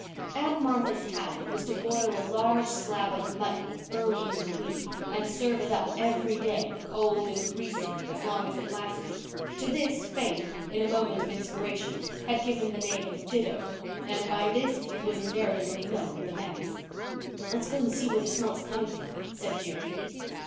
Aunt Martha's habit was to boil a large slab of mutton early in the week and serve it up every day, cold and greasy, as long as it lasted. To this Faith, in a moment of inspiration, had give the name of "ditto", and by this it was invariably known at the manse. "Let's go and see where that smell is coming from," said Jerry.